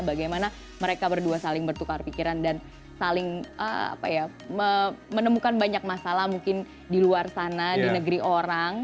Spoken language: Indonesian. bagaimana mereka berdua saling bertukar pikiran dan saling menemukan banyak masalah mungkin di luar sana di negeri orang